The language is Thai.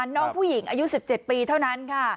น้องผู้หญิงอายุ๑๗ปีเท่านั้นค่ะ